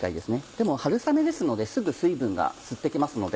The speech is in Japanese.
でも春雨ですのですぐ水分を吸って行きますので。